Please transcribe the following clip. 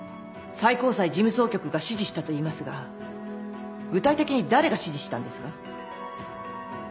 最高裁事務総局が指示したといいますが具体的に誰が指示したんですか。